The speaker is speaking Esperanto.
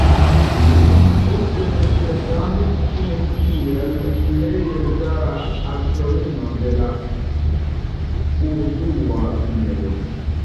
Malik poste establis sin kiel plej elstara aktorino de la urdua kinejo.